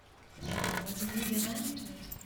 Ja, weil sie nie gereinigt wird.